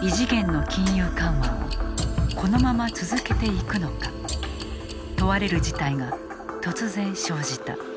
異次元の金融緩和をこのまま続けていくのか問われる事態が突然生じた。